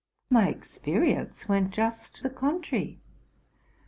But my experience went just to the contrary.